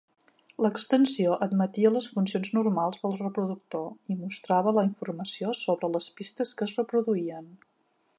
L'extensió admetia les funcions normals del reproductor i mostrava la informació sobre les pistes que es reproduïen.